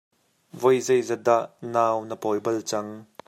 Voi zeizat dah nau na pawi bal cang?